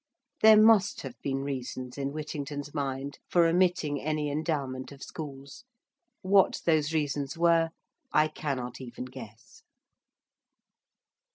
There must have been reasons in Whittington's mind for omitting any endowment of schools. What those reasons were I cannot even guess.